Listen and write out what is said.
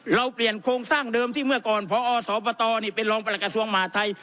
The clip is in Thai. เราเปลี่ยนโครงสร้างเดิมที่เมื่อก่อนพอสบตนี่เป็นรองประหลักกระทรวงมหาทัย